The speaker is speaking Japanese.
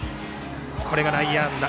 これが内野安打。